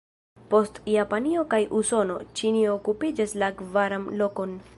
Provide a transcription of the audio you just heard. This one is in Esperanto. Post Japanio kaj Usono, Ĉinio okupas la kvaran lokon.